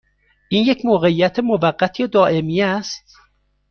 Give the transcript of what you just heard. این یک موقعیت موقت یا دائمی است؟